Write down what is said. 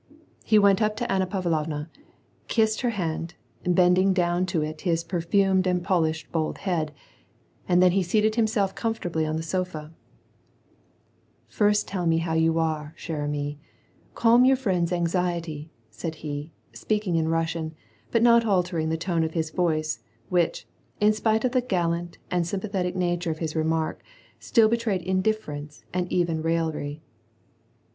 He went up to Anna Pavlovna, kissed her hand, bending down to it his perfumed and polished bald head, and then he seated himself comfortably on the sofa :—" First tell me how you are, ehere amis, calm your friend's anxiety," said he, speaking in Russian, but not altering the tone of his voice, which, in spite of the gallant and sympar thetic nature of his remark, still betrayed indifference and even raillery.